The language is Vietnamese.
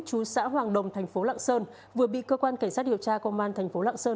chú xã hoàng đồng tp lạng sơn vừa bị cơ quan cảnh sát điều tra công an tp lạng sơn